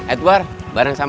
aku jaga perempuan